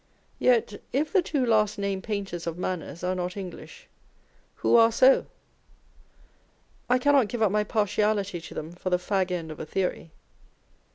Yet, if the two last named painters of manners are not English, who are so ? I cannot give up my partiality to them for the fag end of a theory.